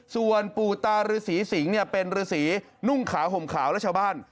ส่วนปู่ตาฤษีสิงศ์เป็นฤษีนุ่งขาวห่มขาวและชาวบ้าน